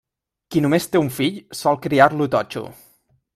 Qui només té un fill, sol criar-lo totxo.